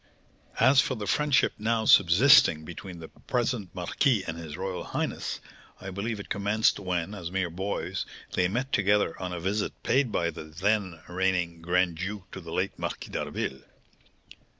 As for the friendship now subsisting between the present marquis and his royal highness, I believe it commenced when, as mere boys, they met together on a visit paid by the then reigning grand duke to the late Marquis d'Harville."